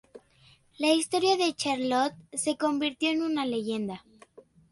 La historia de Charlotte se convirtió en una leyenda.